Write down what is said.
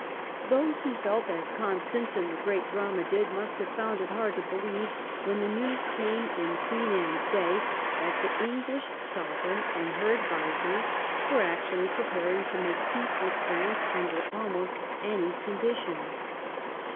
Those who felt as Constance in the great drama did, must have found it hard to believe, when the news came in Queen Anne's day, that the English Sovereign and her advisers were actually preparing to make peace with France under almost any conditions.